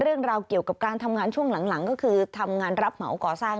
เรื่องราวเกี่ยวกับการทำงานช่วงหลังก็คือทำงานรับเหมาก่อสร้าง